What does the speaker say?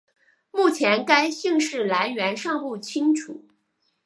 目前该姓氏来源尚不清楚。